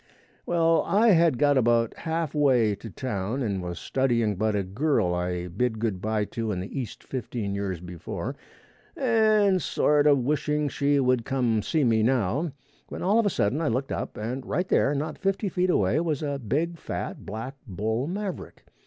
Well I had got about half way to town and was a studying 'bout a girl I bid good bye to in the East fifteen years before, and sort a wishing she could see me now, when all of a sudden I looked up and right there, not fifty feet away, was a big, fat, black bull maverick.